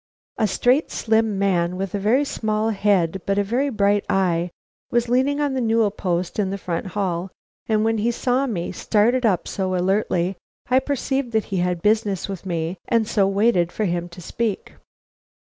A straight, slim man, with a very small head but a very bright eye, was leaning on the newel post in the front hall, and when he saw me, started up so alertly I perceived that he had business with me, and so waited for him to speak.